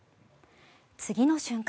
次の瞬間。